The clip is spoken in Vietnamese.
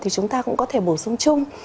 thì chúng ta cũng có thể bổ sung chung